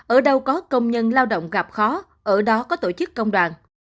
ở đâu có công nhân lao động gặp khó ở đó có tổ chức công đoàn